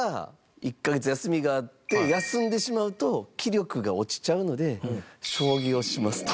１カ月休みがあって休んでしまうと棋力が落ちちゃうので将棋をしますと。